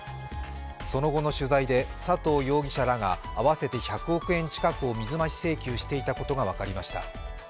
その後の取材で佐藤容疑者らが合わせて１００億円近くを水増し請求していたことが分かりました。